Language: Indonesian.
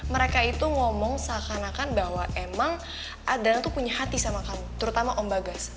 mereka itu ngomong seakan akan bahwa emang adriananya tuh punya hati sama kamu terutama om bagas